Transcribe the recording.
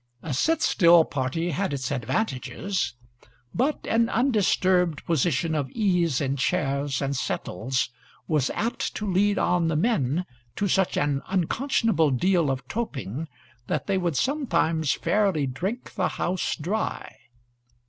A sit still party had its advantages; but an undisturbed position of ease in chairs and settles was apt to lead on the men to such an unconscionable deal of toping that they would sometimes fairly drink the house dry.